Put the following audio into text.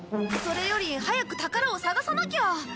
それより早く宝を探さなきゃ！